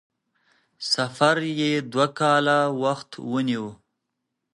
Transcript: سفر یې دوه کاله وخت ونیو.